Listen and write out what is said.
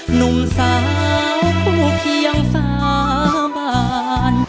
หนุ่มสาวผู้เพียงสามบาท